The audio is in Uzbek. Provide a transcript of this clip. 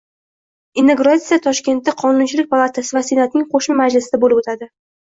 Inauguratsiya Toshkentda Qonunchilik palatasi va Senatning qo‘shma majlisida bo‘lib o‘tadi